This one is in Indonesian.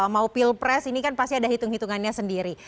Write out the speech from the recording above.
mau pilpres ini kan pasti ada hitung hitungannya sendiri